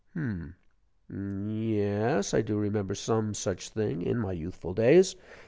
"Hum ye es; I do remember some such thing in my youthful days.